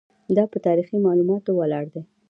دا په تاریخي معلوماتو ولاړ دی.